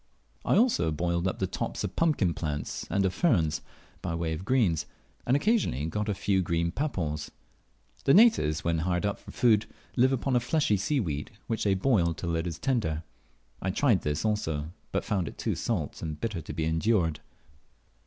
I also boiled up the tops of pumpkin plants and of ferns, by way of greens, and occasionally got a few green papaws. The natives, when hard up for food, live upon a fleshy seaweed, which they boil till it is tender. I tried this also, but found it too salt and bitter to be endured.